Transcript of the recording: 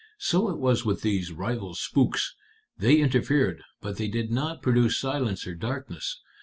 So it was with these rival spooks. They interfered, but they did not produce silence or darkness.